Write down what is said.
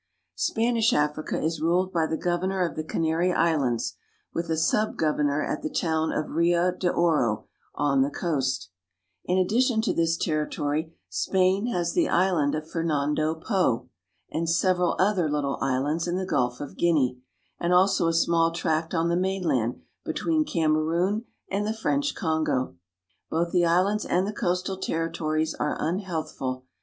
Spanish Africa is ruled by the governor of the Canary Islands, with a subgovernor at the town of Rio de Oro (re'5 da5'r5), on the coast. ^Bb'err ^^^ islan THE HOME OF THE NEGRO la addition to this territory, Spain has the island of Fernando Po (fer nan'do po) and several other little j islands in the Gulf of Guinea; and also a small tract o mainland between Kamerun ( ka maroon' ) and the ' French Kongo. Both the islands and the coastal terri tories are unhealthful.